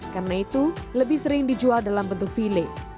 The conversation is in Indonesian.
karena itu lebih sering dijual dalam bentuk file